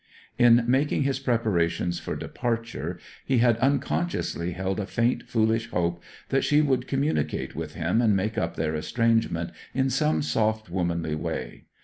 In making his preparations for departure he had unconsciously held a faint, foolish hope that she would communicate with him and make up their estrangement in some soft womanly way.